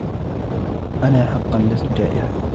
أنا حقاً لستُ جائعة.